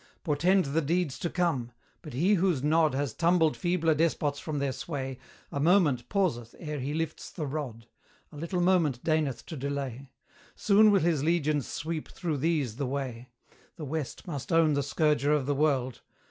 Portend the deeds to come: but he whose nod Has tumbled feebler despots from their sway, A moment pauseth ere he lifts the rod; A little moment deigneth to delay: Soon will his legions sweep through these the way; The West must own the Scourger of the world.